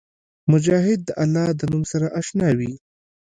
مجاهد د الله د نوم سره اشنا وي.